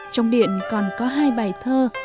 trong điện còn có hai bài thơ